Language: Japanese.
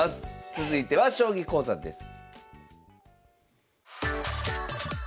続いては将棋講座です。